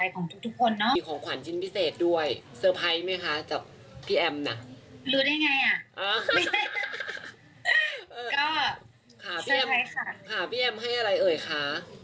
ขอเป็นความลับได้ไหมอะ